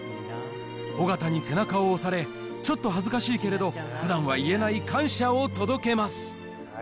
尾形に背中を押され、ちょっと恥ずかしいけれど、ふだんは言えない感謝を届けます。